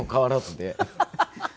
ハハハハ。